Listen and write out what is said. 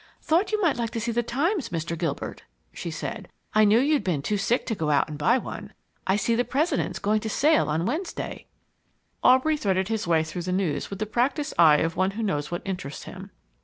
"Thought you might like to see the Times, Mr. Gilbert," she said. "I knew you'd been too sick to go out and buy one. I see the President's going to sail on Wednesday." Aubrey threaded his way through the news with the practiced eye of one who knows what interests him.